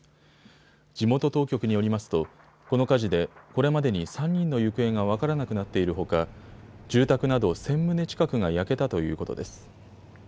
地元当局によりますとこの火事で、これまでに３人の行方が分からなくなっているほか住宅など１０００棟近くが焼けたということです。